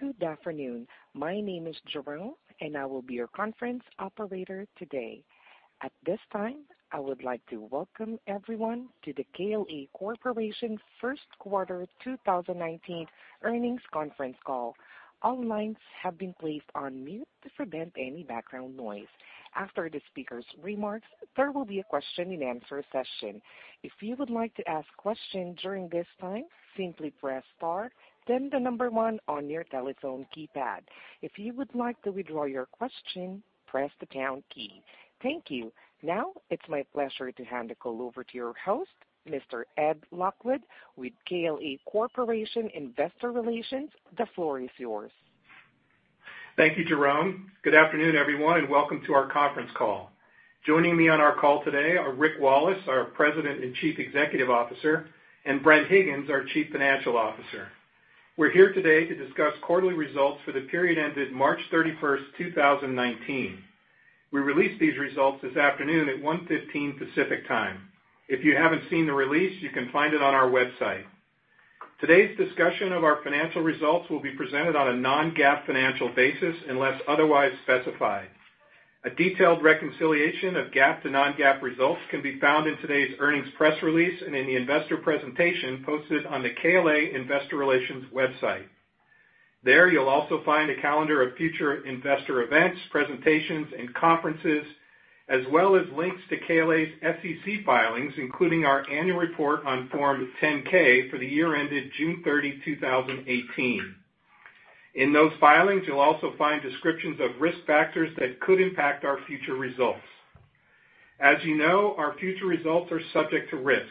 Good afternoon. My name is Jerome, and I will be your conference operator today. At this time, I would like to welcome everyone to the KLA Corporation first quarter 2019 earnings conference call. All lines have been placed on mute to prevent any background noise. After the speaker's remarks, there will be a question and answer session. If you would like to ask questions during this time, simply press star, then the number one on your telephone keypad. If you would like to withdraw your question, press the pound key. Thank you. Now, it's my pleasure to hand the call over to your host, Mr. Ed Lockwood with KLA Corporation Investor Relations. The floor is yours. Thank you, Jerome. Good afternoon, everyone, and welcome to our conference call. Joining me on our call today are Rick Wallace, our President and Chief Executive Officer, and Bren Higgins, our Chief Financial Officer. We're here today to discuss quarterly results for the period ended March 31st, 2019. We released these results this afternoon at 1:15 P.M. Pacific Time. If you haven't seen the release, you can find it on our website. Today's discussion of our financial results will be presented on a non-GAAP financial basis unless otherwise specified. A detailed reconciliation of GAAP to non-GAAP results can be found in today's earnings press release and in the investor presentation posted on the KLA Investor Relations website. There, you'll also find a calendar of future investor events, presentations, and conferences, as well as links to KLA's SEC filings, including our annual report on Form 10-K for the year ended June 30, 2018. In those filings, you'll also find descriptions of risk factors that could impact our future results. As you know, our future results are subject to risks.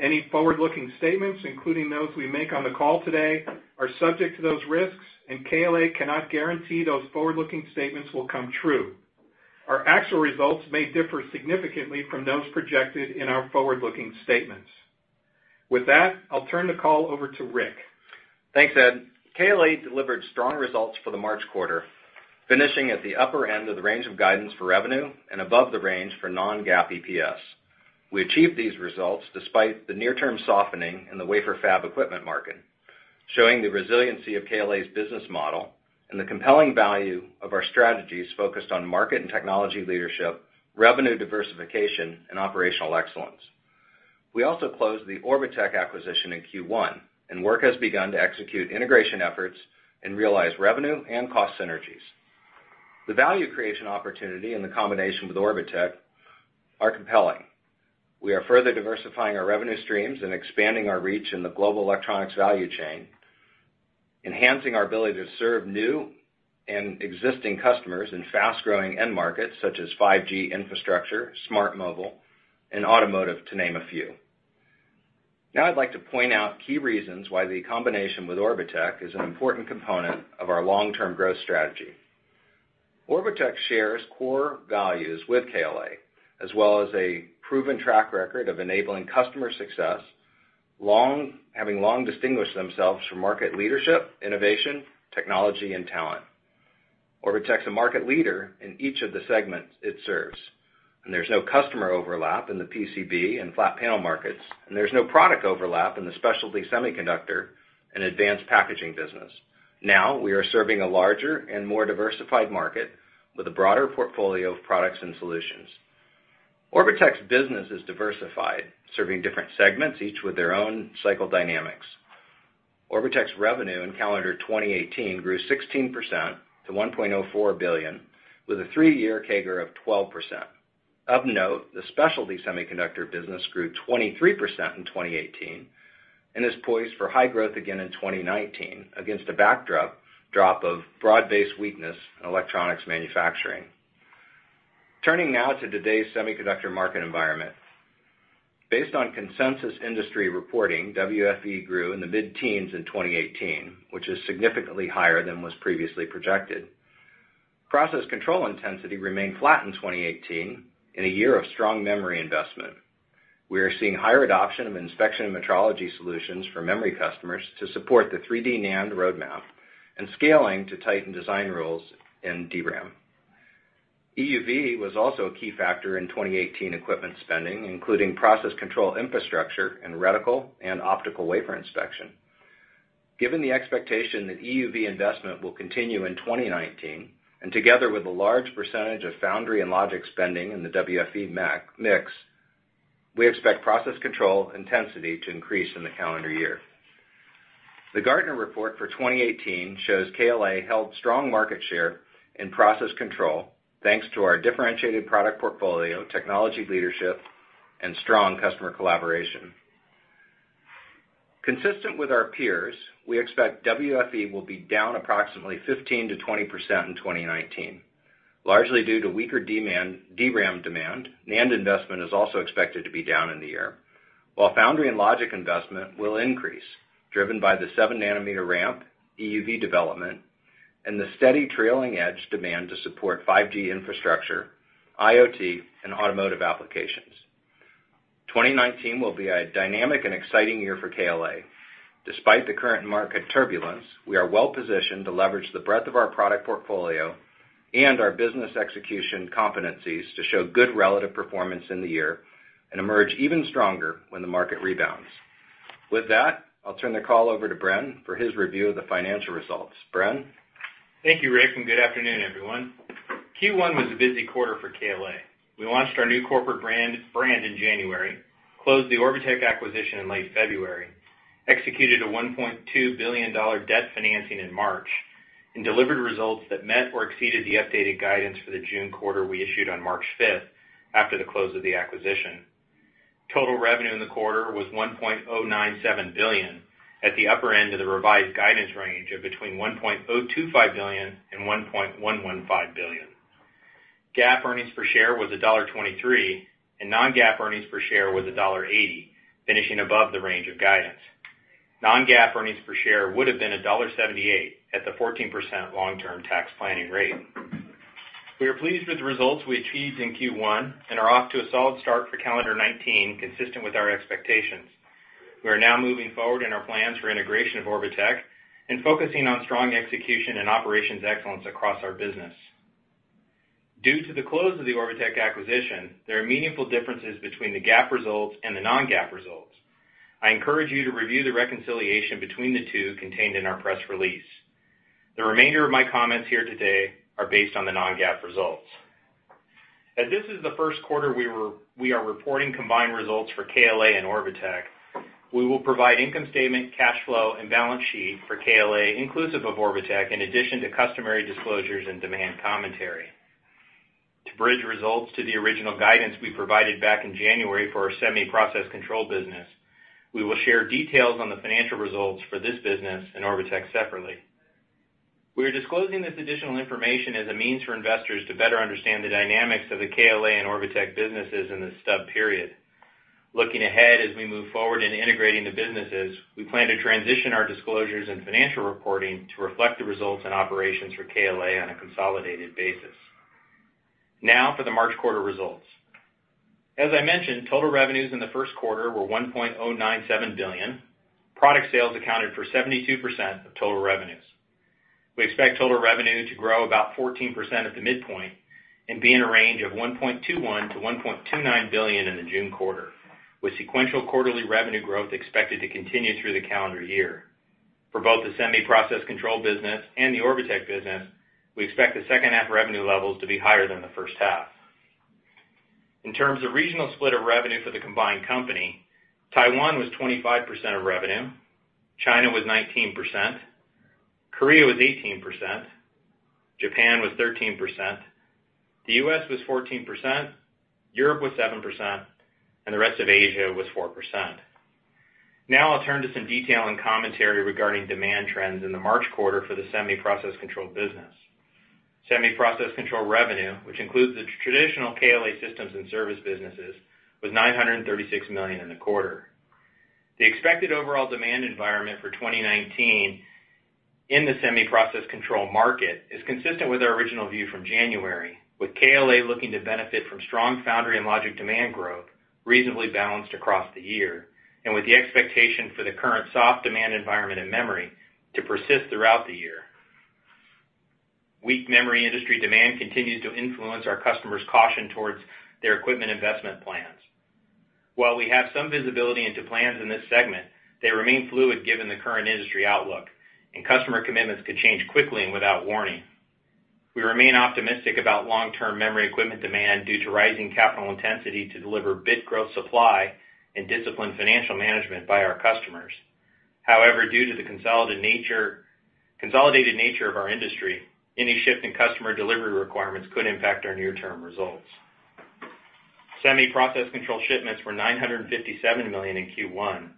Any forward-looking statements, including those we make on the call today, are subject to those risks, and KLA cannot guarantee those forward-looking statements will come true. Our actual results may differ significantly from those projected in our forward-looking statements. With that, I'll turn the call over to Rick. Thanks, Ed. KLA delivered strong results for the March quarter, finishing at the upper end of the range of guidance for revenue and above the range for non-GAAP EPS. We achieved these results despite the near-term softening in the wafer fab equipment market, showing the resiliency of KLA's business model and the compelling value of our strategies focused on market and technology leadership, revenue diversification, and operational excellence. We also closed the Orbotech acquisition in Q1, and work has begun to execute integration efforts and realize revenue and cost synergies. The value creation opportunity in the combination with Orbotech are compelling. We are further diversifying our revenue streams and expanding our reach in the global electronics value chain, enhancing our ability to serve new and existing customers in fast-growing end markets such as 5G infrastructure, smart mobile, and automotive, to name a few. I'd like to point out key reasons why the combination with Orbotech is an important component of our long-term growth strategy. Orbotech shares core values with KLA, as well as a proven track record of enabling customer success, having long distinguished themselves for market leadership, innovation, technology, and talent. Orbotech's a market leader in each of the segments it serves, and there's no customer overlap in the PCB and flat panel markets, and there's no product overlap in the specialty semiconductor and advanced packaging business. We are serving a larger and more diversified market with a broader portfolio of products and solutions. Orbotech's business is diversified, serving different segments, each with their own cycle dynamics. Orbotech's revenue in calendar 2018 grew 16% to $1.04 billion, with a three-year CAGR of 12%. Of note, the specialty semiconductor business grew 23% in 2018 and is poised for high growth again in 2019 against a backdrop of broad-based weakness in electronics manufacturing. Turning now to today's semiconductor market environment. Based on consensus industry reporting, WFE grew in the mid-teens in 2018, which is significantly higher than was previously projected. Process control intensity remained flat in 2018 in a year of strong memory investment. We are seeing higher adoption of inspection metrology solutions for memory customers to support the 3D NAND roadmap and scaling to tighten design rules in DRAM. EUV was also a key factor in 2018 equipment spending, including process control infrastructure in reticle and optical wafer inspection. Given the expectation that EUV investment will continue in 2019, together with a large percentage of foundry and logic spending in the WFE mix, we expect process control intensity to increase in the calendar year. The Gartner report for 2018 shows KLA held strong market share in process control, thanks to our differentiated product portfolio, technology leadership, and strong customer collaboration. Consistent with our peers, we expect WFE will be down approximately 15%-20% in 2019, largely due to weaker DRAM demand. NAND investment is also expected to be down in the year, while foundry and logic investment will increase, driven by the 7-nanometer ramp, EUV development, and the steady trailing edge demand to support 5G infrastructure, IoT, and automotive applications. 2019 will be a dynamic and exciting year for KLA. Despite the current market turbulence, we are well-positioned to leverage the breadth of our product portfolio and our business execution competencies to show good relative performance in the year and emerge even stronger when the market rebounds. With that, I'll turn the call over to Bren for his review of the financial results. Bren? Thank you, Rick, and good afternoon, everyone. Q1 was a busy quarter for KLA. We launched our new corporate brand in January, closed the Orbotech acquisition in late February, executed a $1.2 billion debt financing in March, and delivered results that met or exceeded the updated guidance for the June quarter we issued on March 5th, after the close of the acquisition. Total revenue in the quarter was $1.097 billion at the upper end of the revised guidance range of between $1.025 billion and $1.115 billion. GAAP earnings per share was $1.23, and non-GAAP earnings per share was $1.80, finishing above the range of guidance. Non-GAAP earnings per share would have been $1.78 at the 14% long-term tax planning rate. We are pleased with the results we achieved in Q1 and are off to a solid start for calendar 2019, consistent with our expectations. We are now moving forward in our plans for integration of Orbotech and focusing on strong execution and operations excellence across our business. Due to the close of the Orbotech acquisition, there are meaningful differences between the GAAP results and the non-GAAP results. I encourage you to review the reconciliation between the two contained in our press release. The remainder of my comments here today are based on the non-GAAP results. This is the first quarter we are reporting combined results for KLA and Orbotech, we will provide income statement, cash flow, and balance sheet for KLA inclusive of Orbotech, in addition to customary disclosures and demand commentary. To bridge results to the original guidance we provided back in January for our Semi-Process Control business, we will share details on the financial results for this business and Orbotech separately. We are disclosing this additional information as a means for investors to better understand the dynamics of the KLA and Orbotech businesses in the stub period. Looking ahead, as we move forward in integrating the businesses, we plan to transition our disclosures and financial reporting to reflect the results and operations for KLA on a consolidated basis. For the March quarter results. As I mentioned, total revenues in the first quarter were $1.097 billion. Product sales accounted for 72% of total revenues. We expect total revenue to grow about 14% at the midpoint and be in a range of $1.21 billion-$1.29 billion in the June quarter, with sequential quarterly revenue growth expected to continue through the calendar year. For both the Semi-Process Control business and the Orbotech business, we expect the second half revenue levels to be higher than the first half. In terms of regional split of revenue for the combined company, Taiwan was 25% of revenue, China was 19%, Korea was 18%, Japan was 13%, the U.S. was 14%, Europe was 7%, and the rest of Asia was 4%. I'll turn to some detail and commentary regarding demand trends in the March quarter for the Semi-Process Control business. Semi-Process Control revenue, which includes the traditional KLA systems and service businesses, was $936 million in the quarter. The expected overall demand environment for 2019 in the Semi-Process Control market is consistent with our original view from January, with KLA looking to benefit from strong foundry and logic demand growth reasonably balanced across the year, and with the expectation for the current soft demand environment in memory to persist throughout the year. Weak memory industry demand continues to influence our customers' caution towards their equipment investment plans. While we have some visibility into plans in this segment, they remain fluid given the current industry outlook, and customer commitments could change quickly and without warning. We remain optimistic about long-term memory equipment demand due to rising capital intensity to deliver bit growth supply and disciplined financial management by our customers. Due to the consolidated nature of our industry, any shift in customer delivery requirements could impact our near-term results. Semi-Process Control shipments were $957 million in Q1,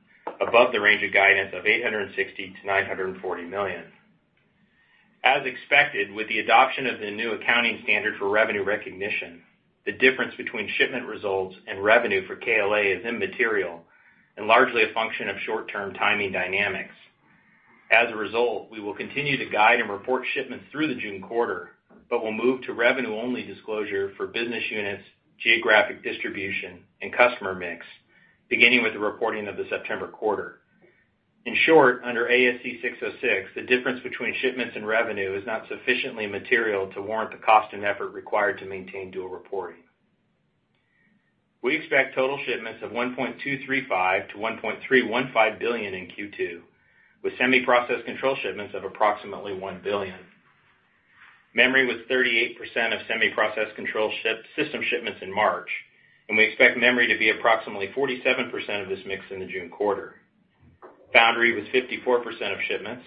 above the range of guidance of $860 million-$940 million. As expected, with the adoption of the new accounting standard for revenue recognition, the difference between shipment results and revenue for KLA is immaterial and largely a function of short-term timing dynamics. We will continue to guide and report shipments through the June quarter, but will move to revenue-only disclosure for business units, geographic distribution, and customer mix, beginning with the reporting of the September quarter. In short, under ASC 606, the difference between shipments and revenue is not sufficiently material to warrant the cost and effort required to maintain dual reporting. We expect total shipments of $1.235 billion-$1.315 billion in Q2, with Semi-Process Control shipments of approximately $1 billion. Memory was 38% of Semi-Process Control system shipments in March, and we expect memory to be approximately 47% of this mix in the June quarter. Foundry was 54% of shipments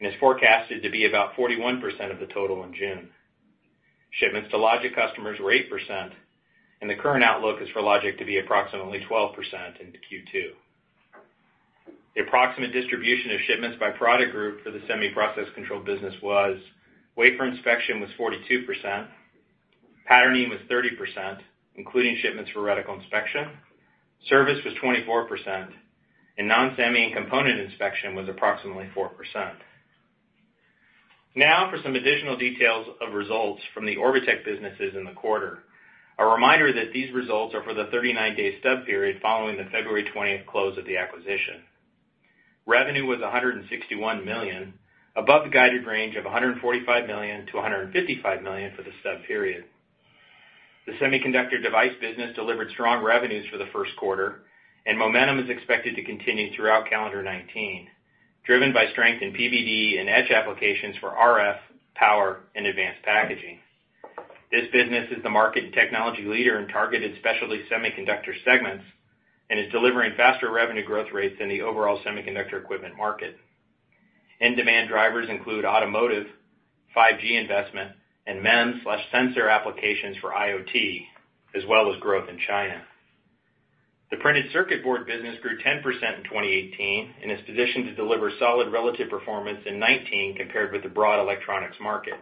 and is forecasted to be about 41% of the total in June. Shipments to logic customers were 8%, and the current outlook is for logic to be approximately 12% into Q2. The approximate distribution of shipments by product group for the Semi-Process Control business was: wafer inspection was 42%, patterning was 30%, including shipments for reticle inspection, service was 24%, and non-semi and component inspection was approximately 4%. For some additional details of results from the Orbotech businesses in the quarter. A reminder that these results are for the 39-day stub period following the February 20th close of the acquisition. Revenue was $161 million, above the guided range of $145 million-$155 million for the stub period. The semiconductor device business delivered strong revenues for the first quarter, and momentum is expected to continue throughout calendar 2019, driven by strength in PVD and etch applications for RF, power, and advanced packaging. This business is the market and technology leader in targeted specialty semiconductor segments and is delivering faster revenue growth rates than the overall semiconductor equipment market. End-demand drivers include automotive, 5G investment, and MEMS/sensor applications for IoT, as well as growth in China. The printed circuit board business grew 10% in 2018 and is positioned to deliver solid relative performance in 2019 compared with the broad electronics market.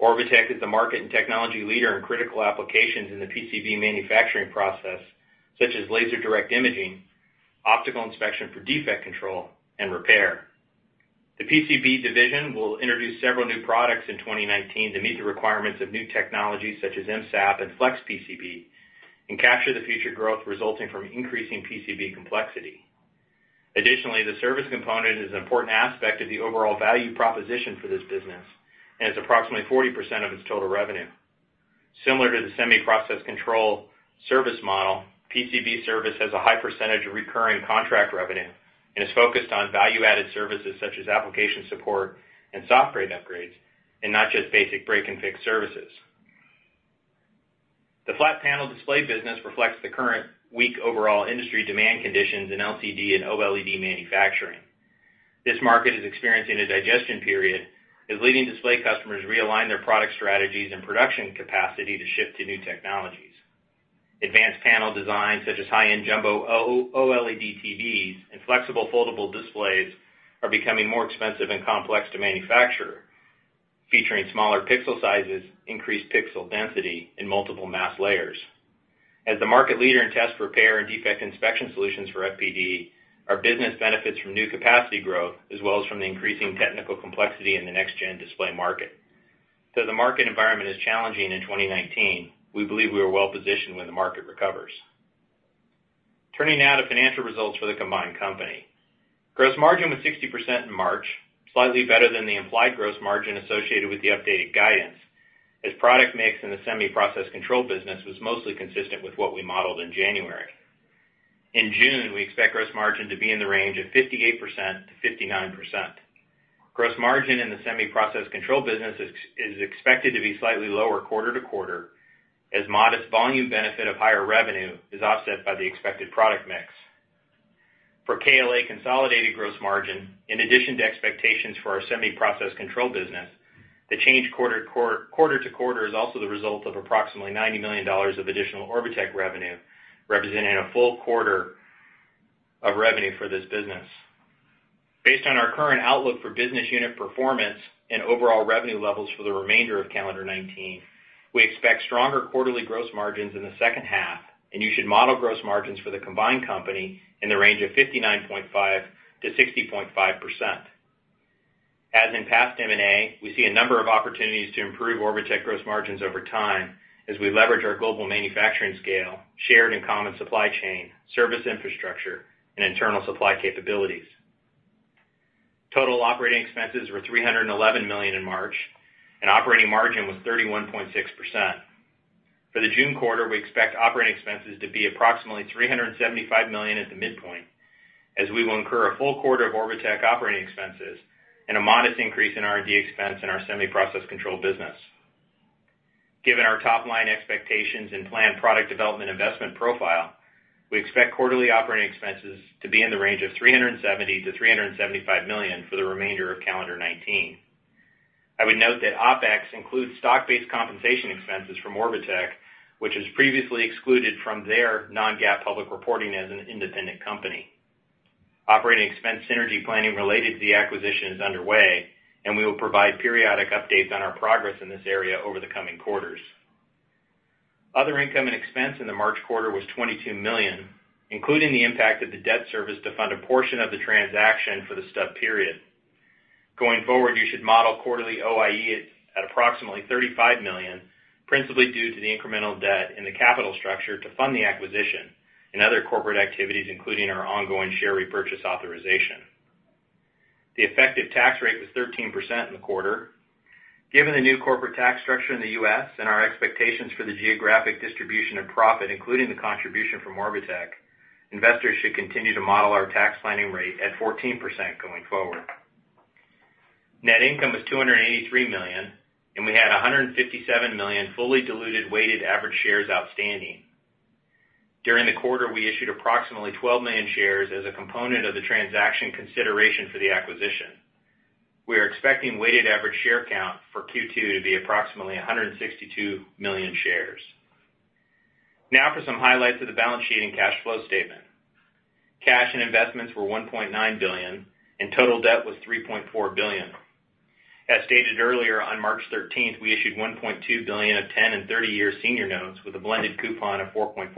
Orbotech is the market and technology leader in critical applications in the PCB manufacturing process, such as laser direct imaging, optical inspection for defect control, and repair. The PCB division will introduce several new products in 2019 to meet the requirements of new technologies such as MSAP and flex PCB, and capture the future growth resulting from increasing PCB complexity. The service component is an important aspect of the overall value proposition for this business and is approximately 40% of its total revenue. Similar to the semi-process control service model, PCB service has a high percentage of recurring contract revenue and is focused on value-added services such as application support and software upgrades, not just basic break-and-fix services. The flat panel display business reflects the current weak overall industry demand conditions in LCD and OLED manufacturing. This market is experiencing a digestion period as leading display customers realign their product strategies and production capacity to shift to new technologies. Advanced panel designs such as high-end jumbo OLED TVs and flexible foldable displays are becoming more expensive and complex to manufacture, featuring smaller pixel sizes, increased pixel density, and multiple mask layers. As the market leader in test, repair, and defect inspection solutions for FPD, our business benefits from new capacity growth as well as from the increasing technical complexity in the next-gen display market. Though the market environment is challenging in 2019, we believe we are well-positioned when the market recovers. Turning now to financial results for the combined company. Gross margin was 60% in March, slightly better than the implied gross margin associated with the updated guidance, as product mix in the semi-process control business was mostly consistent with what we modeled in January. In June, we expect gross margin to be in the range of 58%-59%. Gross margin in the semi-process control business is expected to be slightly lower quarter-to-quarter as modest volume benefit of higher revenue is offset by the expected product mix. For KLA consolidated gross margin, in addition to expectations for our semi-process control business, the change quarter-to-quarter is also the result of approximately $90 million of additional Orbotech revenue, representing a full quarter of revenue for this business. Based on our current outlook for business unit performance and overall revenue levels for the remainder of calendar 2019, we expect stronger quarterly gross margins in the second half, and you should model gross margins for the combined company in the range of 59.5%-60.5%. As in past M&A, we see a number of opportunities to improve Orbotech gross margins over time as we leverage our global manufacturing scale, shared and common supply chain, service infrastructure, and internal supply capabilities. Total operating expenses were $311 million in March, and operating margin was 31.6%. For the June quarter, we expect operating expenses to be approximately $375 million at the midpoint, as we will incur a full quarter of Orbotech operating expenses and a modest increase in R&D expense in our semi-process control business. Given our top-line expectations and planned product development investment profile, we expect quarterly operating expenses to be in the range of $370 million-$375 million for the remainder of calendar 2019. I would note that OpEx includes stock-based compensation expenses from Orbotech, which was previously excluded from their non-GAAP public reporting as an independent company. Operating expense synergy planning related to the acquisition is underway, and we will provide periodic updates on our progress in this area over the coming quarters. Other income and expense in the March quarter was $22 million, including the impact of the debt service to fund a portion of the transaction for the stub period. Going forward, you should model quarterly OIE at approximately $35 million, principally due to the incremental debt in the capital structure to fund the acquisition and other corporate activities, including our ongoing share repurchase authorization. The effective tax rate was 13% in the quarter. Given the new corporate tax structure in the U.S. and our expectations for the geographic distribution of profit, including the contribution from Orbotech, investors should continue to model our tax planning rate at 14% going forward. Net income was $283 million, and we had 157 million fully diluted weighted average shares outstanding. During the quarter, we issued approximately 12 million shares as a component of the transaction consideration for the acquisition. We are expecting weighted average share count for Q2 to be approximately 162 million shares. Now for some highlights of the balance sheet and cash flow statement. Cash and investments were $1.9 billion, and total debt was $3.4 billion. As stated earlier, on March 13th, we issued $1.2 billion of 10- and 30-year senior notes with a blended coupon of 4.4%.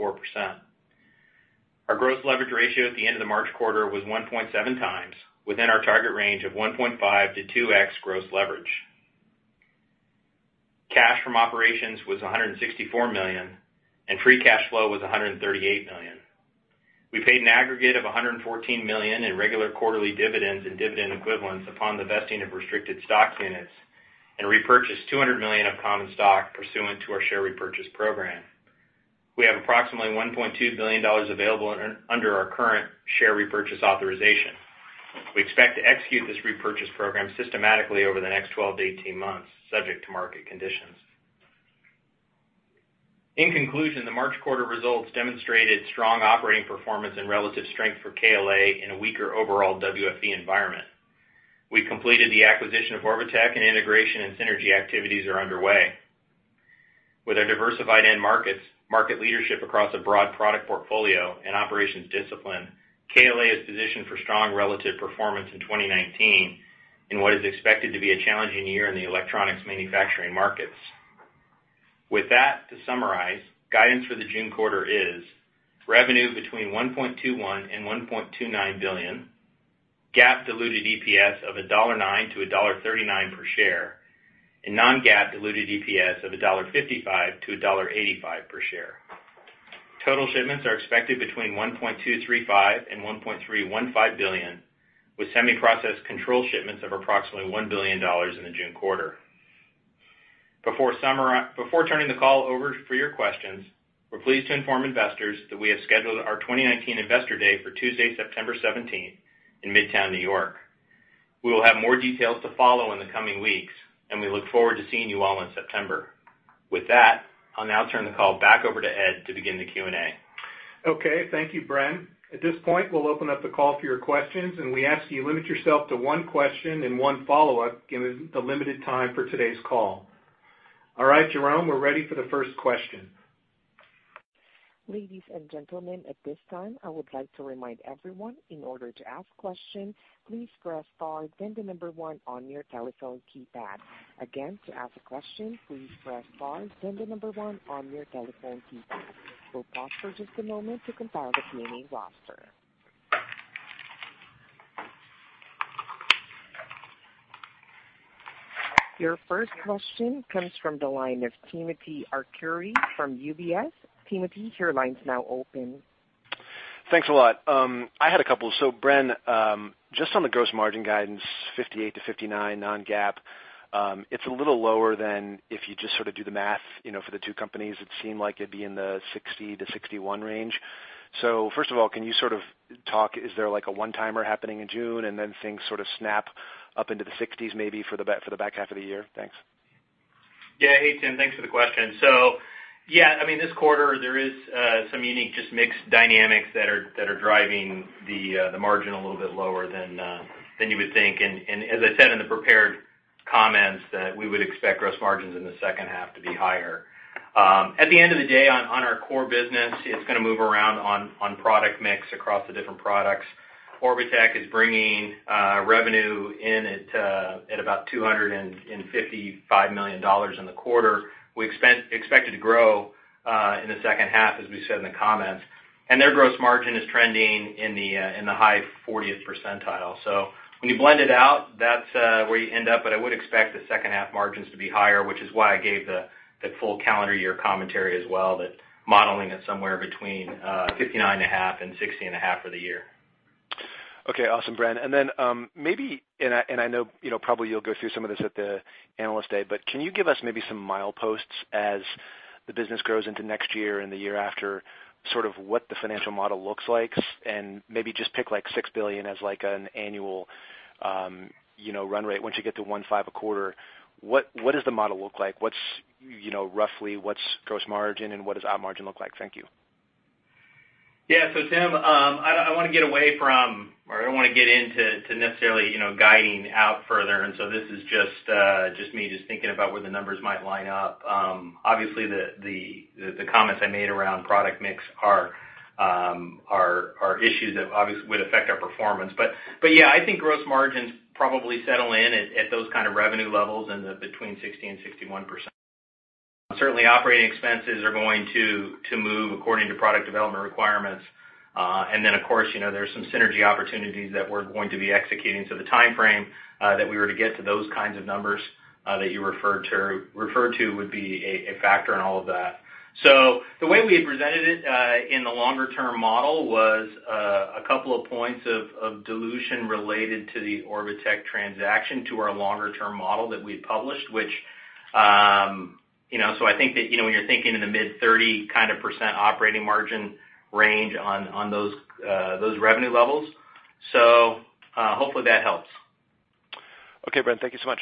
Our gross leverage ratio at the end of the March quarter was 1.7 times, within our target range of 1.5x-2x gross leverage. Cash from operations was $164 million, and free cash flow was $138 million. We paid an aggregate of $114 million in regular quarterly dividends and dividend equivalents upon the vesting of restricted stock units and repurchased $200 million of common stock pursuant to our share repurchase program. We have approximately $1.2 billion available under our current share repurchase authorization. We expect to execute this repurchase program systematically over the next 12 to 18 months, subject to market conditions. In conclusion, the March quarter results demonstrated strong operating performance and relative strength for KLA in a weaker overall WFE environment. We completed the acquisition of Orbotech, and integration and synergy activities are underway. With our diversified end markets, market leadership across a broad product portfolio, and operations discipline, KLA is positioned for strong relative performance in 2019 in what is expected to be a challenging year in the electronics manufacturing markets. With that, to summarize, guidance for the June quarter is revenue between $1.21 billion and $1.29 billion, GAAP diluted EPS of $1.09 to $1.39 per share, and non-GAAP diluted EPS of $1.55 to $1.85 per share. Total shipments are expected between $1.235 billion and $1.315 billion, with semi-process control shipments of approximately $1 billion in the June quarter. Before turning the call over for your questions, we are pleased to inform investors that we have scheduled our 2019 Investor Day for Tuesday, September 17 in midtown New York. We will have more details to follow in the coming weeks, and we look forward to seeing you all in September. With that, I will now turn the call back over to Ed to begin the Q&A. Okay, thank you, Bren. At this point, we'll open up the call for your questions, and we ask that you limit yourself to one question and one follow-up, given the limited time for today's call. All right, Jerome, we are ready for the first question. Ladies and gentlemen, at this time, I would like to remind everyone, in order to ask questions, please press star then the number 1 on your telephone keypad. Again, to ask a question, please press star then the number 1 on your telephone keypad. We will pause for just a moment to compile the Q&A roster. Your first question comes from the line of Timothy Arcuri from UBS. Timothy, your line is now open. Thanks a lot. I had a couple. Bren, just on the gross margin guidance, 58%-59% non-GAAP, it is a little lower than if you just sort of do the math for the two companies. It seemed like it would be in the 60%-61% range. First of all, can you sort of talk, is there like a one-timer happening in June and then things sort of snap up into the 60s maybe for the back half of the year? Thanks. Yeah. Hey, Tim. Thanks for the question. Yeah, this quarter, there is some unique just mix dynamics that are driving the margin a little bit lower than you would think. As I said in the prepared comments, that we would expect gross margins in the second half to be higher. At the end of the day on our core business, it is going to move around on product mix across the different products. Orbotech is bringing revenue in at about $255 million in the quarter. We expect it to grow in the second half, as we said in the comments. Their gross margin is trending in the high 40th percentile. When you blend it out, that's where you end up, but I would expect the second half margins to be higher, which is why I gave the full calendar year commentary as well, that modeling it somewhere between 59.5% and 60.5% for the year. Okay, awesome, Bren. Maybe, and I know probably you'll go through some of this at the Analyst Day, but can you give us maybe some mileposts as the business grows into next year and the year after, sort of what the financial model looks like, and maybe just pick like $6 billion as like an annual run rate once you get to $1.5 billion a quarter. What does the model look like? Roughly, what's gross margin, and what does Op margin look like? Thank you. Yeah. Tim, I don't want to get away from, or I don't want to get into necessarily guiding out further, this is just me just thinking about where the numbers might line up. Obviously, the comments I made around product mix are issues that obviously would affect our performance. Yeah, I think gross margins probably settle in at those kind of revenue levels in between 60% and 61%. Certainly, operating expenses are going to move according to product development requirements. Then, of course, there's some synergy opportunities that we're going to be executing. The timeframe that we were to get to those kinds of numbers that you referred to would be a factor in all of that. The way we had presented it in the longer-term model was a couple of points of dilution related to the Orbotech transaction to our longer-term model that we had published. I think that when you're thinking in the mid 30% operating margin range on those revenue levels. Hopefully that helps. Okay, Bren, thank you so much.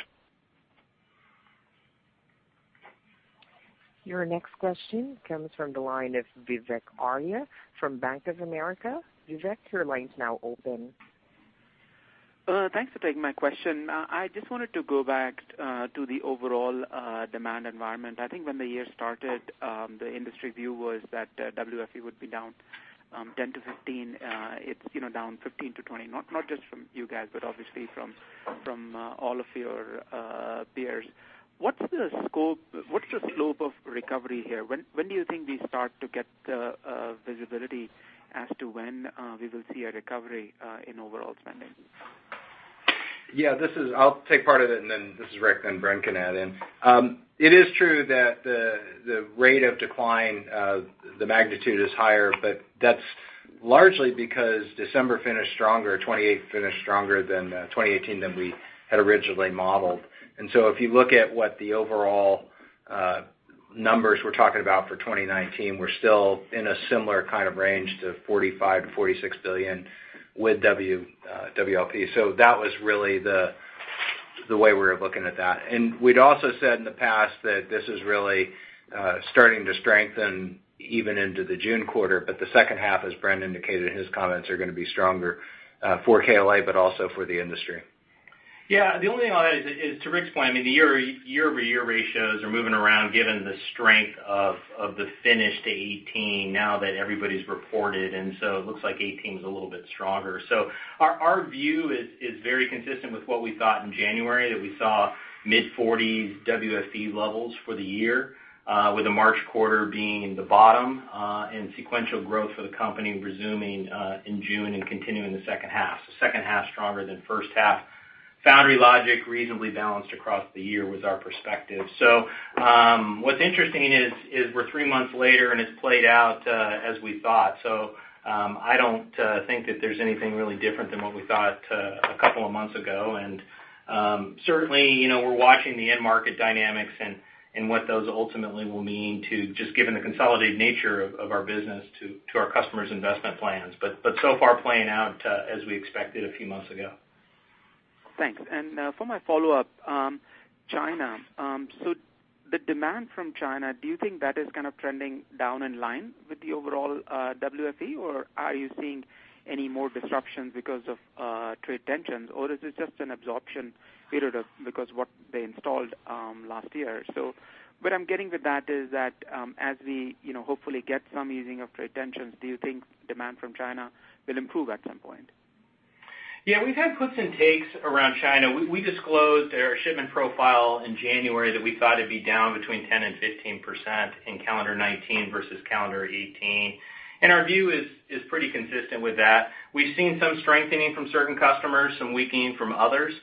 Your next question comes from the line of Vivek Arya from Bank of America. Vivek, your line's now open. Thanks for taking my question. I just wanted to go back to the overall demand environment. I think when the year started, the industry view was that WFE would be down 10%-15%. It's down 15%-20%. Not just from you guys, but obviously from all of your peers. What's the slope of recovery here? When do you think we start to get visibility as to when we will see a recovery in overall spending? Yeah, I'll take part of it, then this is Rick, then Bren can add in. It is true that the rate of decline, the magnitude is higher, that's largely because December finished stronger, 2018 finished stronger than 2018 than we had originally modeled. If you look at what the overall numbers we're talking about for 2019, we're still in a similar kind of range to $45 billion-$46 billion with WFE. That was really the way we're looking at that. We'd also said in the past that this is really starting to strengthen even into the June quarter, the second half, as Bren indicated in his comments, are going to be stronger for KLA, but also for the industry. Yeah. The only thing on that is to Rick's point, I mean, the year-over-year ratios are moving around given the strength of the finish to 2018 now that everybody's reported. It looks like 2018 is a little bit stronger. Our view is very consistent with what we thought in January, that we saw mid-40s WFE levels for the year, with the March quarter being the bottom, and sequential growth for the company resuming in June and continuing the second half. Second half stronger than first half. Foundry logic reasonably balanced across the year was our perspective. What's interesting is we're 3 months later, and it's played out as we thought. I don't think that there's anything really different than what we thought a couple of months ago. Certainly, we're watching the end market dynamics and what those ultimately will mean to just given the consolidated nature of our business to our customers' investment plans. So far playing out as we expected a few months ago. Thanks. And for my follow-up, China. The demand from China, do you think that is kind of trending down in line with the overall WFE, or are you seeing any more disruptions because of trade tensions, or is it just an absorption period of because what they installed last year? What I'm getting with that is that, as we hopefully get some easing of trade tensions, do you think demand from China will improve at some point? Yeah. We've had puts and takes around China. We disclosed our shipment profile in January that we thought it'd be down between 10%-15% in calendar 2019 versus calendar 2018. Our view is pretty consistent with that. We've seen some strengthening from certain customers, some weakening from others.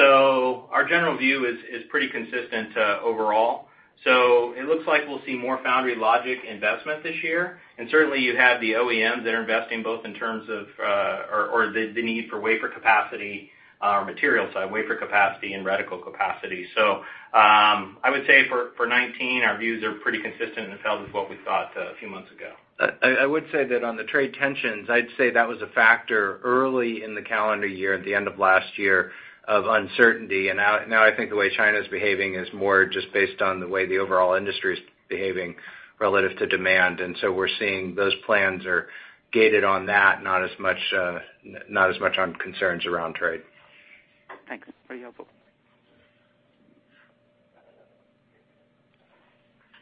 Our general view is pretty consistent overall. It looks like we'll see more foundry logic investment this year, and certainly you have the OEMs that are investing both in terms of, or the need for wafer capacity or material side, wafer capacity, and reticle capacity. I would say for 2019, our views are pretty consistent and it held with what we thought a few months ago. I would say that on the trade tensions, I'd say that was a factor early in the calendar year, at the end of last year, of uncertainty. Now I think the way China's behaving is more just based on the way the overall industry's behaving relative to demand. We're seeing those plans are gated on that, not as much on concerns around trade. Thanks. Very helpful.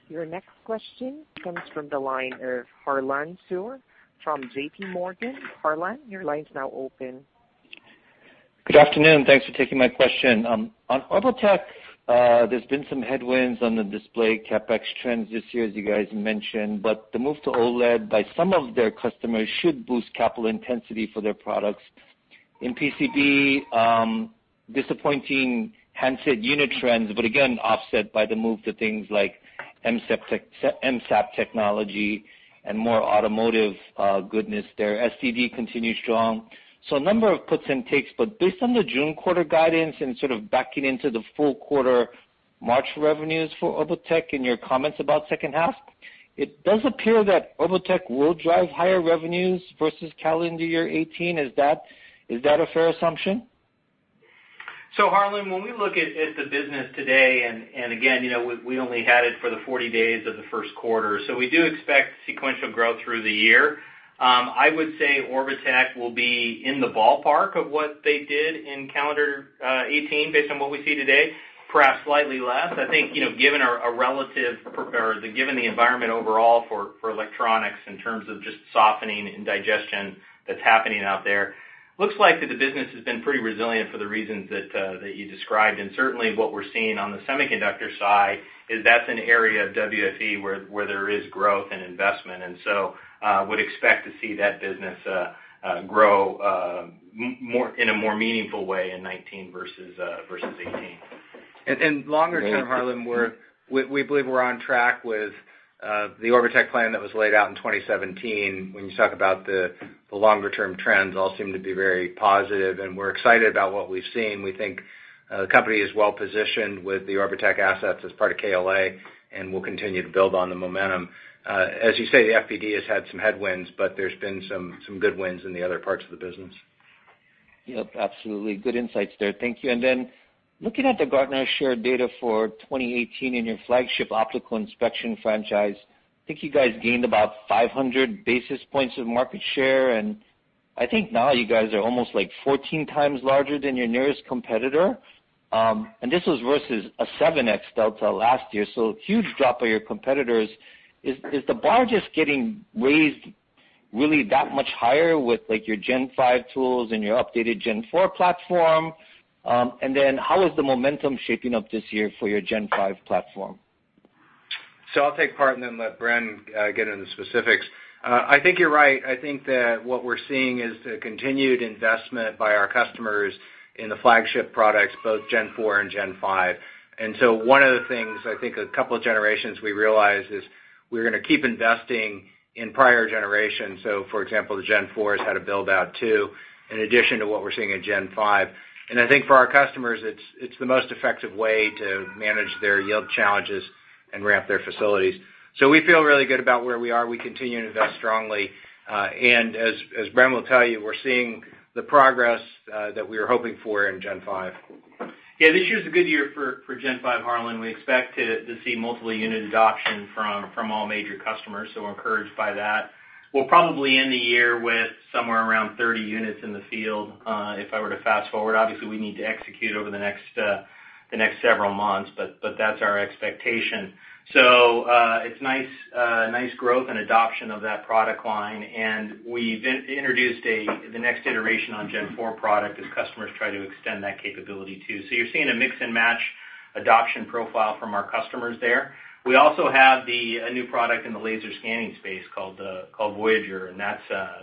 Your next question comes from the line of Harlan Sur from J.P. Morgan. Harlan, your line's now open. Good afternoon. Thanks for taking my question. On Orbotech, there's been some headwinds on the display CapEx trends this year, as you guys mentioned, but the move to OLED by some of their customers should boost capital intensity for their products. In PCB, disappointing handset unit trends, but again, offset by the move to things like MSAP technology and more automotive goodness there. SDD continues strong. A number of puts and takes, but based on the June quarter guidance and sort of backing into the full quarter March revenues for Orbotech and your comments about second half, it does appear that Orbotech will drive higher revenues versus calendar year 2018. Is that a fair assumption? Harlan, when we look at the business today, again, we only had it for the 40 days of the first quarter. We do expect sequential growth through the year. I would say Orbotech will be in the ballpark of what they did in calendar 2018 based on what we see today, perhaps slightly less. Given the environment overall for electronics in terms of just softening and digestion that's happening out there, looks like that the business has been pretty resilient for the reasons that you described. Certainly what we're seeing on the semiconductor side is that's an area of WFE where there is growth and investment. Would expect to see that business grow in a more meaningful way in 2019 versus 2018. Longer term, Harlan, we believe we're on track with the Orbotech plan that was laid out in 2017. When you talk about the longer-term trends all seem to be very positive, we're excited about what we've seen. We think the company is well-positioned with the Orbotech assets as part of KLA, we'll continue to build on the momentum. As you say, the FPD has had some headwinds, there's been some good wins in the other parts of the business. Yep, absolutely. Good insights there. Thank you. Looking at the Gartner share data for 2018 in your flagship optical inspection franchise, you guys gained about 500 basis points of market share, now you guys are almost like 14x larger than your nearest competitor. This was versus a 7x delta last year, huge drop of your competitors. Is the bar just getting raised really that much higher with your Gen5 tools and your updated Gen4 platform? How is the momentum shaping up this year for your Gen5 platform? I'll take part and then let Bren get into specifics. I think you're right. What we're seeing is the continued investment by our customers in the flagship products, both Gen4 and Gen5. One of the things, a couple of generations we realized is we're going to keep investing in prior generations. For example, the Gen4 has had a build-out too, in addition to what we're seeing in Gen5. For our customers, it's the most effective way to manage their yield challenges and ramp their facilities. We feel really good about where we are. We continue to invest strongly. As Bren will tell you, we're seeing the progress that we were hoping for in Gen5. Yeah, this year's a good year for Gen5, Harlan. We expect to see multiple unit adoption from all major customers. We're encouraged by that. We'll probably end the year with somewhere around 30 units in the field, if I were to fast-forward. Obviously, we need to execute over the next several months, but that's our expectation. It's nice growth and adoption of that product line, and we've introduced the next iteration on Gen4 product as customers try to extend that capability, too. You're seeing a mix-and-match adoption profile from our customers there. We also have a new product in the laser scanning space called Voyager, and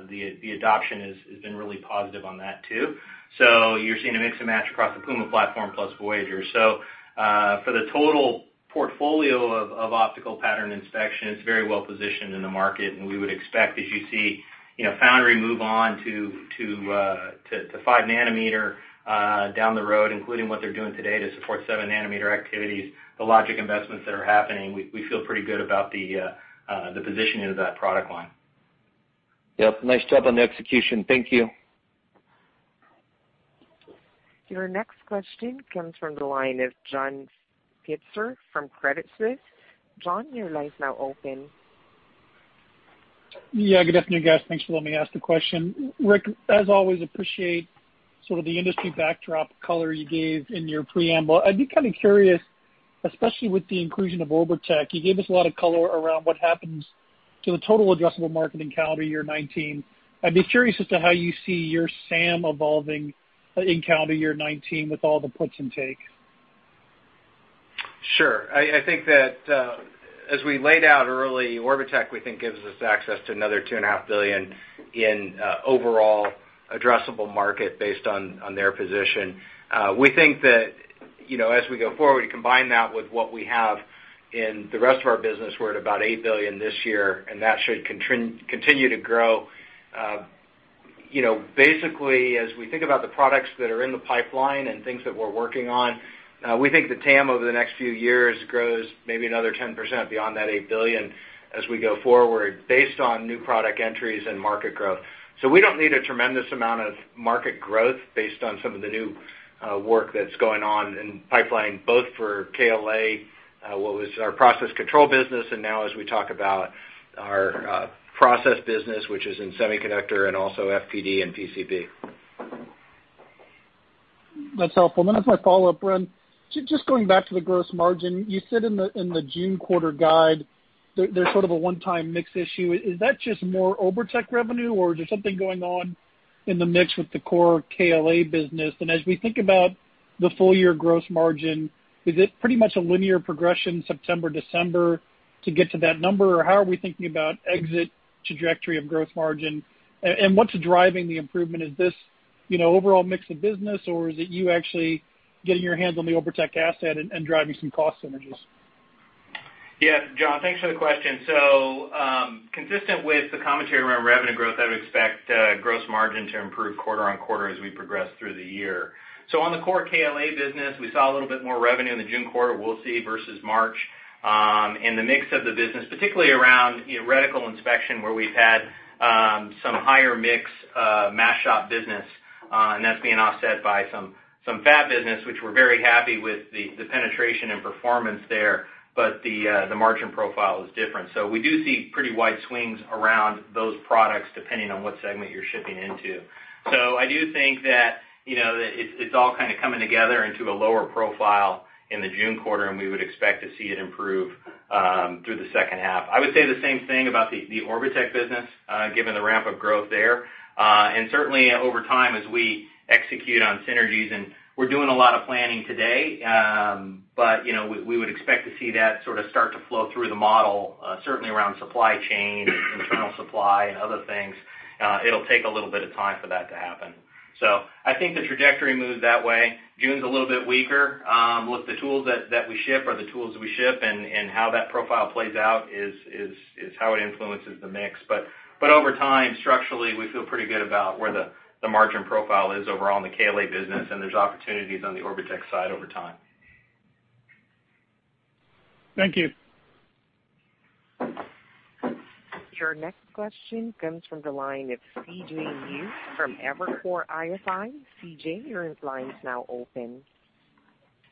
the adoption has been really positive on that, too. You're seeing a mix and match across the Puma platform plus Voyager. For the total portfolio of optical pattern inspection, it's very well-positioned in the market, and we would expect, as you see foundry move on to 5 nanometer down the road, including what they're doing today to support 7 nanometer activities, the logic investments that are happening. We feel pretty good about the positioning of that product line. Yep. Nice job on the execution. Thank you. Your next question comes from the line of John Pitzer from Credit Suisse. John, your line is now open. Yeah, good afternoon, guys. Thanks for letting me ask the question. Rick, as always, appreciate sort of the industry backdrop color you gave in your preamble. I'd be kind of curious, especially with the inclusion of Orbotech. You gave us a lot of color around what happens to the total addressable market in calendar year 2019. I'd be curious as to how you see your SAM evolving in calendar year 2019 with all the puts and takes. Sure. I think that, as we laid out early, Orbotech, we think, gives us access to another $2.5 billion in overall addressable market based on their position. We think that as we go forward, you combine that with what we have in the rest of our business, we're at about $8 billion this year, and that should continue to grow. Basically, as we think about the products that are in the pipeline and things that we're working on, we think the TAM over the next few years grows maybe another 10% beyond that $8 billion as we go forward based on new product entries and market growth. We don't need a tremendous amount of market growth based on some of the new work that's going on in pipeline, both for KLA, what was our process control business, and now as we talk about our process business, which is in semiconductor and also FPD and PCB. That's helpful. As my follow-up, Bren, just going back to the gross margin. You said in the June quarter guide there's sort of a one-time mix issue. Is that just more Orbotech revenue, or is there something going on in the mix with the core KLA business? As we think about the full-year gross margin, is it pretty much a linear progression September, December to get to that number, or how are we thinking about exit trajectory of gross margin? What's driving the improvement? Is this overall mix of business, or is it you actually getting your hands on the Orbotech asset and driving some cost synergies? John, thanks for the question. Consistent with the commentary around revenue growth, I would expect gross margin to improve quarter-over-quarter as we progress through the year. On the core KLA business, we saw a little bit more revenue in the June quarter we'll see versus March. In the mix of the business, particularly around reticle inspection, where we've had some higher mix mask shop business, and that's being offset by some fab business, which we're very happy with the penetration and performance there. The margin profile is different. I do think that it's all kind of coming together into a lower profile in the June quarter, and we would expect to see it improve through the second half. I would say the same thing about the Orbotech business, given the ramp of growth there. Certainly over time, as we execute on synergies, and we're doing a lot of planning today, we would expect to see that sort of start to flow through the model, certainly around supply chain and internal supply and other things. It'll take a little bit of time for that to happen. I think the trajectory moves that way. June's a little bit weaker. With the tools that we ship are the tools we ship, and how that profile plays out is how it influences the mix. Over time, structurally, we feel pretty good about where the margin profile is overall in the KLA business, and there's opportunities on the Orbotech side over time. Thank you. Your next question comes from the line of C.J. Muse from Evercore ISI. C.J., your line is now open.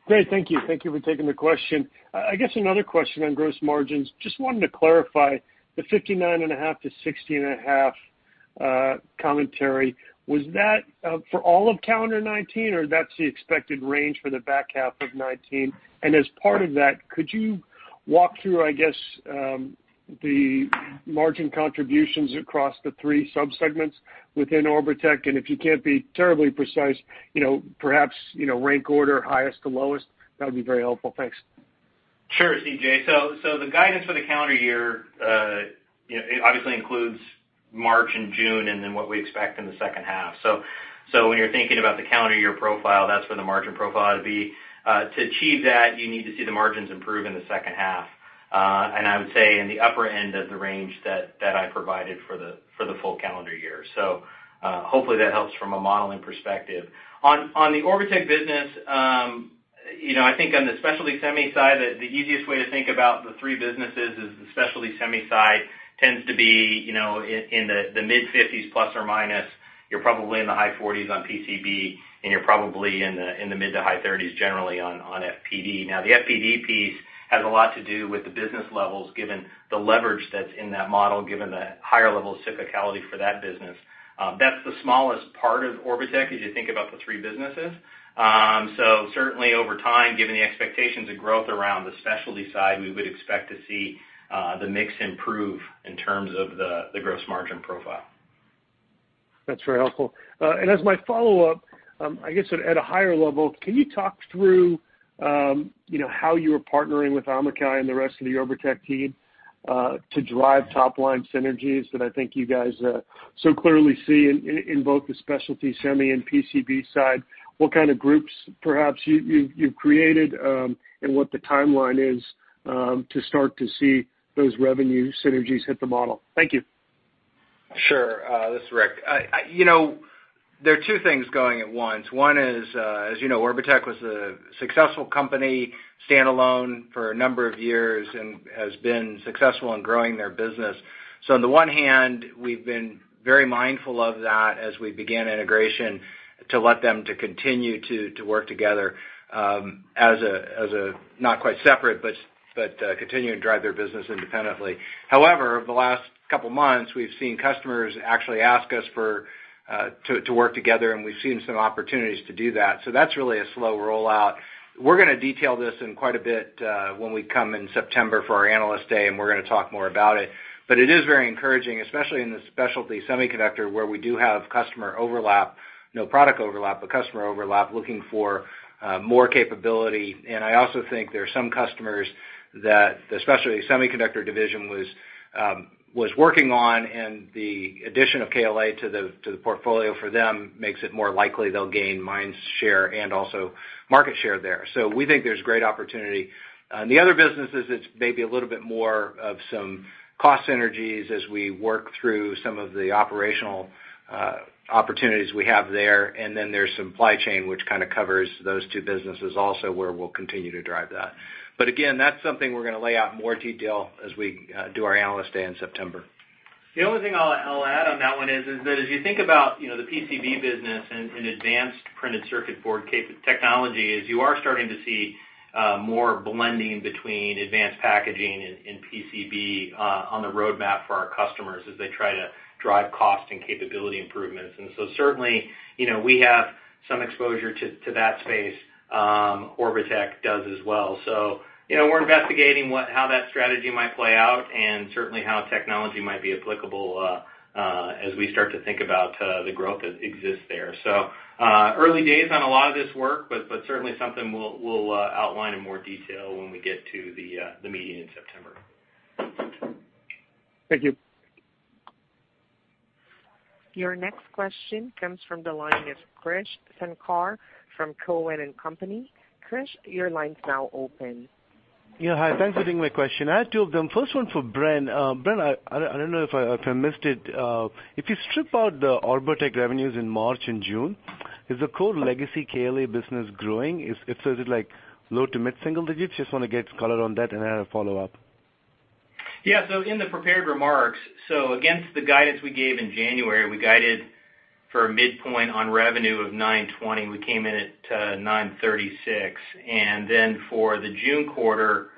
Great. Thank you. Thank you for taking the question. I guess another question on gross margins. Just wanted to clarify the 59.5%-60.5% commentary. Was that for all of calendar 2019, or that is the expected range for the back half of 2019? As part of that, could you walk through the margin contributions across the three subsegments within Orbotech, and if you cannot be terribly precise, perhaps rank order, highest to lowest, that would be very helpful. Thanks. Sure, C.J. The guidance for the calendar year, it obviously includes March and June and then what we expect in the second half. When you are thinking about the calendar year profile, that is where the margin profile ought to be. To achieve that, you need to see the margins improve in the second half. I would say in the upper end of the range that I provided for the full calendar year. Hopefully that helps from a modeling perspective. On the Orbotech business, I think on the specialty semi side, the easiest way to think about the three businesses is the specialty semi side tends to be in the mid-50s +/-. You are probably in the high 40s on PCB, and you are probably in the mid to high 30s generally on FPD. The FPD piece has a lot to do with the business levels, given the leverage that is in that model, given the higher level of cyclicality for that business. That is the smallest part of Orbotech as you think about the three businesses. Certainly over time, given the expectations of growth around the specialty side, we would expect to see the mix improve in terms of the gross margin profile. That is very helpful. As my follow-up, I guess at a higher level, can you talk through how you are partnering with Amichai and the rest of the Orbotech team to drive top-line synergies that I think you guys so clearly see in both the specialty semi and PCB side? What kind of groups perhaps you have created, and what the timeline is to start to see those revenue synergies hit the model? Thank you. Sure. This is Rick. There are two things going at once. One is, as you know, Orbotech was a successful company, standalone for a number of years, and has been successful in growing their business. On the one hand, we've been very mindful of that as we began integration to let them to continue to work together as a not quite separate, but continue to drive their business independently. However, over the last couple of months, we've seen customers actually ask us to work together, and we've seen some opportunities to do that. That's really a slow rollout. We're going to detail this in quite a bit when we come in September for our Analyst Day, and we're going to talk more about it. It is very encouraging, especially in the specialty semiconductor, where we do have customer overlap, no product overlap, but customer overlap, looking for more capability. I also think there are some customers that the specialty semiconductor division was working on, and the addition of KLA to the portfolio for them makes it more likely they'll gain mind share and also market share there. We think there's great opportunity. On the other businesses, it's maybe a little bit more of some cost synergies as we work through some of the operational opportunities we have there. There's supply chain, which kind of covers those two businesses also where we'll continue to drive that. Again, that's something we're going to lay out in more detail as we do our Analyst Day in September. The only thing I'll add on that one is that as you think about the PCB business and advanced printed circuit board technology is you are starting to see more blending between advanced packaging and PCB on the roadmap for our customers as they try to drive cost and capability improvements. Certainly, we have some exposure to that space. Orbotech does as well. We're investigating how that strategy might play out and certainly how technology might be applicable as we start to think about the growth that exists there. Early days on a lot of this work, but certainly something we'll outline in more detail when we get to the meeting in September. Thank you. Your next question comes from the line of Krish Sankar from Cowen and Company. Krish, your line's now open. Yeah, hi. Thanks for taking my question. I have two of them. First one for Bren. Bren, I don't know if I missed it. If you strip out the Orbotech revenues in March and June, is the core legacy KLA business growing? Is it low to mid-single digits? Just want to get color on that, and I have a follow-up. Yeah. Against the guidance we gave in January, we guided for a midpoint on revenue of $920. We came in at $936. For the June quarter,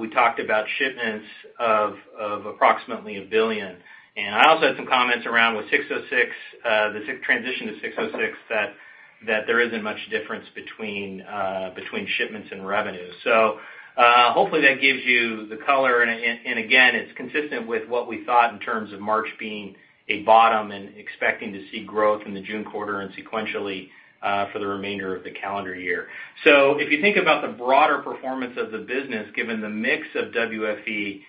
we talked about shipments of approximately $1 billion. I also had some comments around with 606, the transition to 606, that there isn't much difference between shipments and revenue. Hopefully that gives you the color, and again, it's consistent with what we thought in terms of March being a bottom and expecting to see growth in the June quarter and sequentially for the remainder of the calendar year. If you think about the broader performance of the business, given the mix of WFE,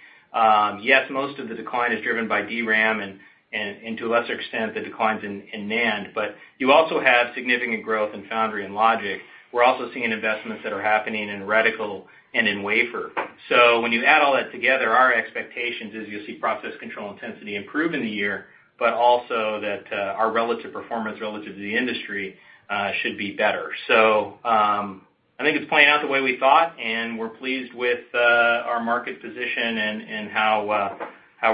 yes, most of the decline is driven by DRAM, and to a lesser extent, the declines in NAND, but you also have significant growth in foundry and logic. We're also seeing investments that are happening in reticle and in wafer. When you add all that together, our expectations is you'll see process control intensity improve in the year, but also that our relative performance relative to the industry should be better. I think it's playing out the way we thought, and we're pleased with our market position and how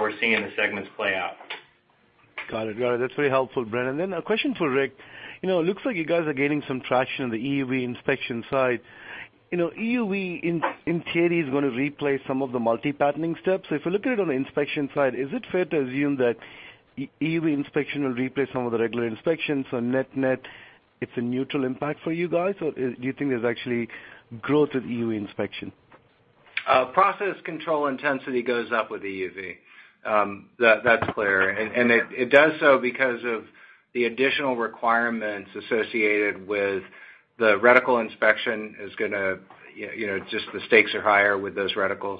we're seeing the segments play out. Got it. That's very helpful, Bren. A question for Rick. It looks like you guys are gaining some traction on the EUV inspection side. EUV, in theory, is going to replace some of the multi-patterning steps. If you look at it on the inspection side, is it fair to assume that EUV inspection will replace some of the regular inspections on net? It's a neutral impact for you guys, or do you think there's actually growth with EUV inspection? Process control intensity goes up with EUV. That's clear. It does so because of the additional requirements associated with the reticle inspection, just the stakes are higher with those reticles.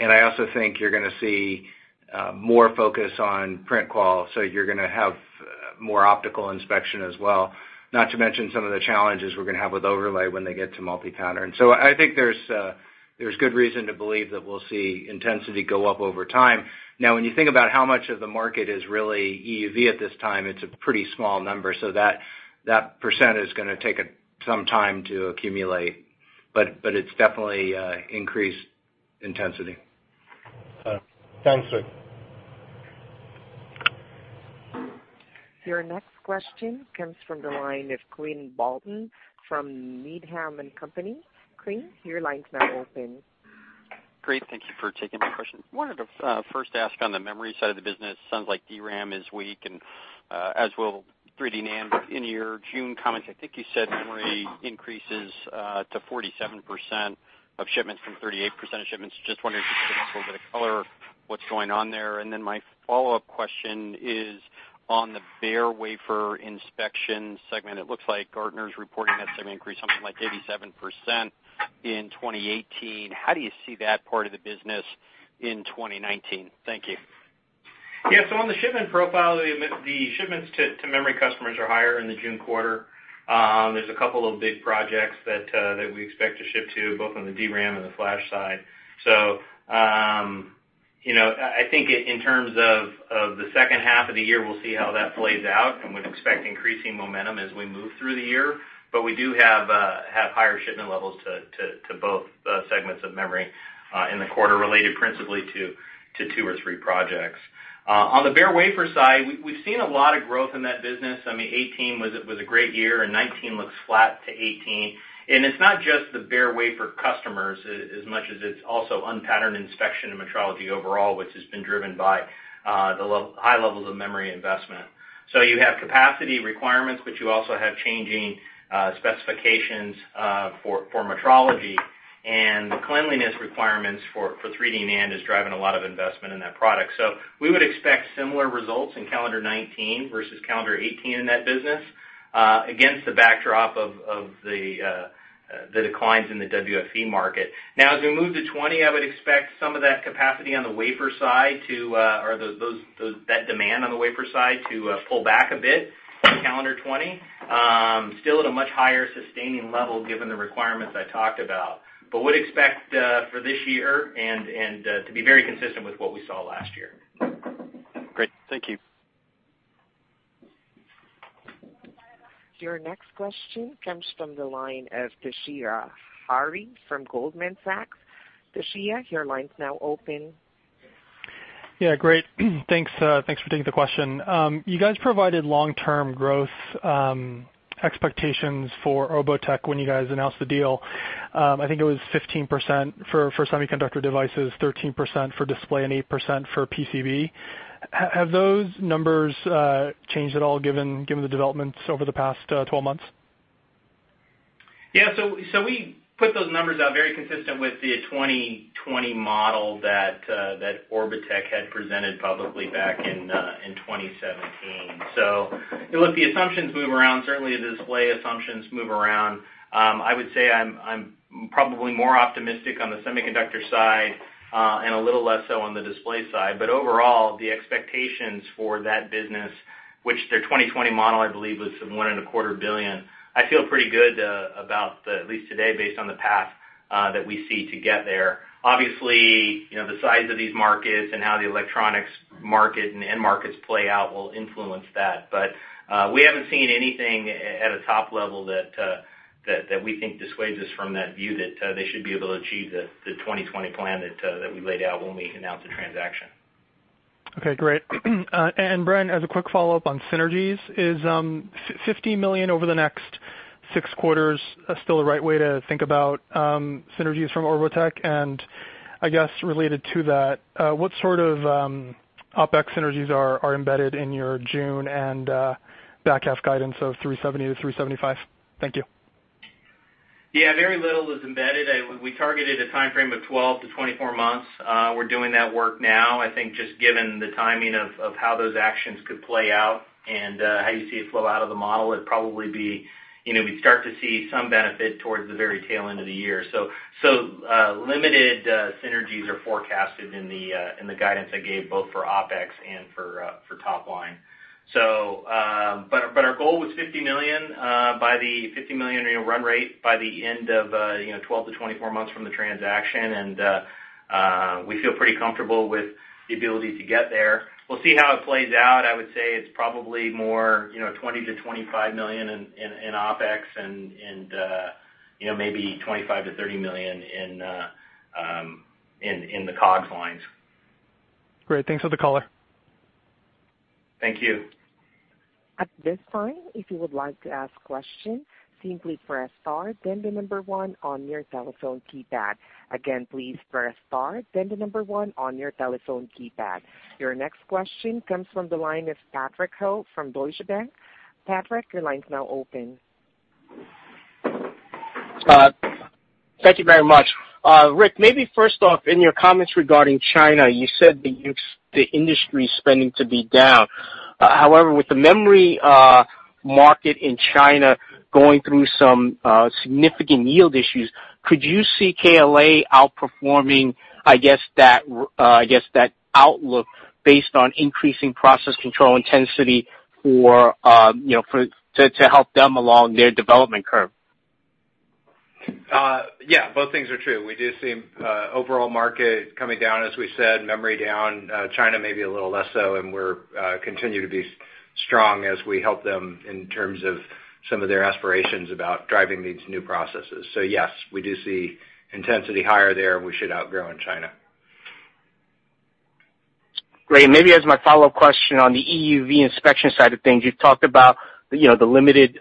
I also think you're going to see more focus on print quality, so you're going to have more optical inspection as well, not to mention some of the challenges we're going to have with overlay when they get to multi-pattern. I think there's good reason to believe that we'll see intensity go up over time. When you think about how much of the market is really EUV at this time, it's a pretty small number, so that % is going to take some time to accumulate. It's definitely increased intensity. Thanks, sir. Your next question comes from the line of Quinn Bolton from Needham & Company. Quinn, your line's now open. Great. Thank you for taking my question. Wanted to first ask on the memory side of the business, sounds like DRAM is weak and as will 3D NAND. I think you said memory increases to 47% of shipments from 38% of shipments. Just wondering if you could give us a little bit of color what's going on there. My follow-up question is on the bare wafer inspection segment. It looks like Gartner's reporting that segment increased something like 87% in 2018. How do you see that part of the business in 2019? Thank you. On the shipment profile, the shipments to memory customers are higher in the June quarter. There's a couple of big projects that we expect to ship to, both on the DRAM and the flash side. I think in terms of the second half of the year, we'll see how that plays out, and we'd expect increasing momentum as we move through the year. We do have higher shipment levels to both segments of memory in the quarter related principally to two or three projects. On the bare wafer side, we've seen a lot of growth in that business. 2018 was a great year, and 2019 looks flat to 2018. It's not just the bare wafer customers as much as it's also unpatterned inspection and metrology overall, which has been driven by the high levels of memory investment. You have capacity requirements, but you also have changing specifications for metrology, and the cleanliness requirements for 3D NAND is driving a lot of investment in that product. We would expect similar results in calendar 2019 versus calendar 2018 in that business, against the backdrop of the declines in the WFE market. As we move to 2020, I would expect some of that demand on the wafer side to pull back a bit in calendar 2020. Still at a much higher sustaining level given the requirements I talked about. Would expect for this year to be very consistent with what we saw last year. Great. Thank you. Your next question comes from the line of Toshiya Hari from Goldman Sachs. Toshiya, your line's now open. Yeah, great. Thanks for taking the question. You guys provided long-term growth expectations for Orbotech when you guys announced the deal. I think it was 15% for semiconductor devices, 13% for display, and 8% for PCB. Have those numbers changed at all given the developments over the past 12 months? Yeah. We put those numbers out very consistent with the 2020 model that Orbotech had presented publicly back in 2017. Look, the assumptions move around, certainly the display assumptions move around. I would say I'm probably more optimistic on the semiconductor side and a little less so on the display side. Overall, the expectations for that business, which their 2020 model, I believe, was $1.25 billion, I feel pretty good about, at least today, based on the path that we see to get there. Obviously, the size of these markets and how the electronics market and end markets play out will influence that. We haven't seen anything at a top level that we think dissuades us from that view that they should be able to achieve the 2020 plan that we laid out when we announced the transaction. Okay, great. Bren, as a quick follow-up on synergies, is $50 million over the next six quarters still the right way to think about synergies from Orbotech? I guess related to that, what sort of OpEx synergies are embedded in your June and back-half guidance of $370 million-$375 million? Thank you. Yeah, very little is embedded. We targeted a timeframe of 12-24 months. We're doing that work now. I think just given the timing of how those actions could play out and how you see it flow out of the model, we'd start to see some benefit towards the very tail end of the year. Limited synergies are forecasted in the guidance I gave, both for OpEx and for top line. Our goal was $50 million run rate by the end of 12-24 months from the transaction, and we feel pretty comfortable with the ability to get there. We'll see how it plays out. I would say it's probably more $20 million-$25 million in OpEx and maybe $25 million-$30 million in the COGS lines. Great. Thanks for the color. Thank you. At this time, if you would like to ask questions, simply press star then the number 1 on your telephone keypad. Again, please press star then the number 1 on your telephone keypad. Your next question comes from the line of Patrick Ho from Deutsche Bank. Patrick, your line's now open. Thank you very much. Rick, maybe first off, in your comments regarding China, you said the industry spending to be down. However, with the memory market in China going through some significant yield issues, could you see KLA outperforming, I guess that outlook based on increasing process control intensity to help them along their development curve? Yeah, both things are true. We do see overall market coming down, as we said, memory down, China maybe a little less so, and we continue to be strong as we help them in terms of some of their aspirations about driving these new processes. Yes, we do see intensity higher there. We should outgrow in China. Great. Maybe as my follow-up question on the EUV inspection side of things, you've talked about the limited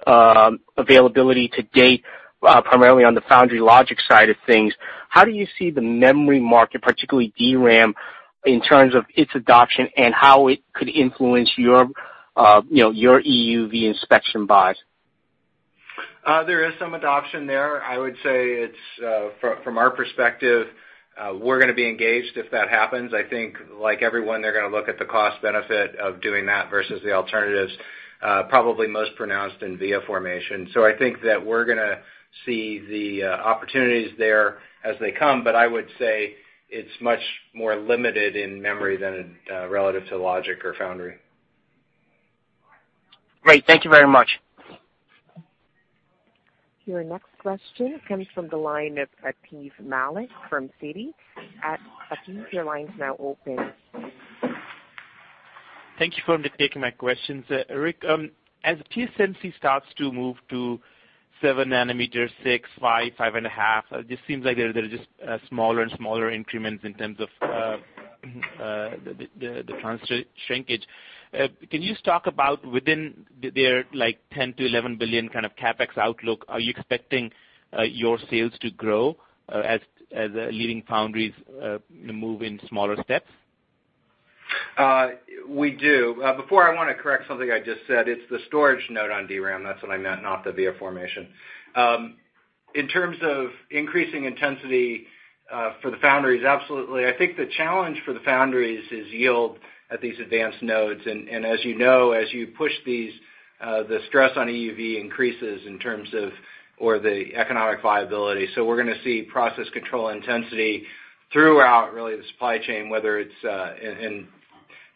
availability to date, primarily on the foundry logic side of things. How do you see the memory market, particularly DRAM, in terms of its adoption and how it could influence your EUV inspection buys? There is some adoption there. I would say, from our perspective, we're going to be engaged if that happens. I think, like everyone, they're going to look at the cost benefit of doing that versus the alternatives, probably most pronounced in via formation. I think that we're going to see the opportunities there as they come, but I would say it's much more limited in memory relative to logic or foundry. Great. Thank you very much. Your next question comes from the line of Atif Malik from Citi. Atif, your line is now open. Thank you for taking my questions. Rick, as TSMC starts to move to seven nanometers, six, five and a half, it just seems like they're just smaller and smaller increments in terms of the trans shrinkage. Can you talk about within their $10 billion-$11 billion kind of CapEx outlook, are you expecting your sales to grow as leading foundries move in smaller steps? We do. Before, I want to correct something I just said. It's the storage node on DRAM. That's what I meant, not the via formation. In terms of increasing intensity for the foundries, absolutely. I think the challenge for the foundries is yield at these advanced nodes. As you know, as you push these, the stress on EUV increases in terms of the economic viability. We're going to see process control intensity throughout, really, the supply chain, whether it's in,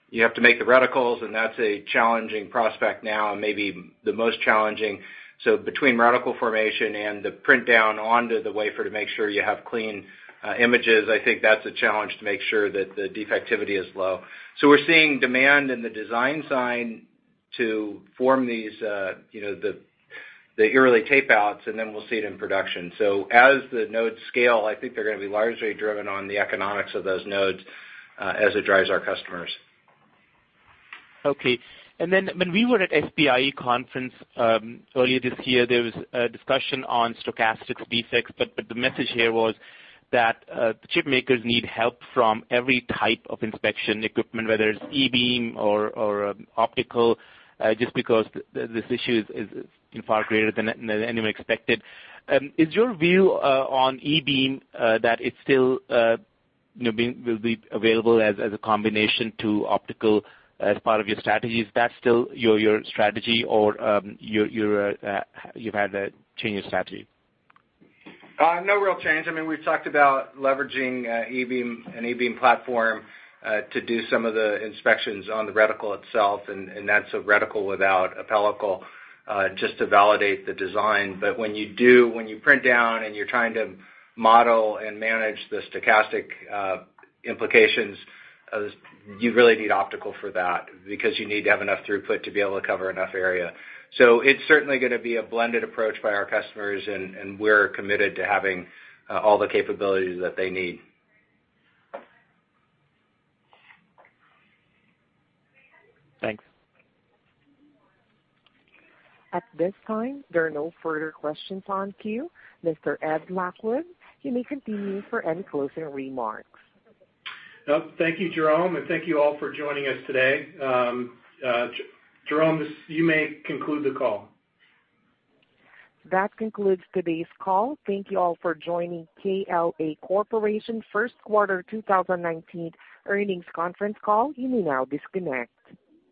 you have to make the reticles, and that's a challenging prospect now, and maybe the most challenging. Between reticle formation and the print down onto the wafer to make sure you have clean images, I think that's a challenge to make sure that the defectivity is low. We're seeing demand in the design sign to form the early tape outs. We'll see it in production. As the nodes scale, I think they're going to be largely driven on the economics of those nodes as it drives our customers. When we were at SPIE conference earlier this year, there was a discussion on stochastic defects. The message here was that the chip makers need help from every type of inspection equipment, whether it's E-beam or optical, just because this issue is far greater than anyone expected. Is your view on E-beam that it still will be available as a combination to optical as part of your strategy? Is that still your strategy, or you've had to change your strategy? No real change. We've talked about leveraging an E-beam platform to do some of the inspections on the reticle itself. That's a reticle without a pellicle, just to validate the design. When you print down and you're trying to model and manage the stochastic implications, you really need optical for that, because you need to have enough throughput to be able to cover enough area. It's certainly going to be a blended approach by our customers, and we're committed to having all the capabilities that they need. Thanks. At this time, there are no further questions on queue, Mr. Ed Lockwood, you may continue for any closing remarks. Thank you, Jerome, and thank you all for joining us today. Jerome, you may conclude the call. That concludes today's call. Thank you all for joining KLA Corporation first quarter 2019 earnings conference call. You may now disconnect.